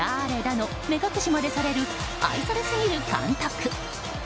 の目隠しまでされる愛されすぎる監督。